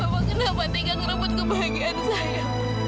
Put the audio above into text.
bapak kenapa tidak menolong kebahagiaan saya